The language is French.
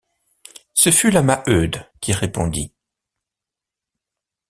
Ce fut la Maheude qui répondit.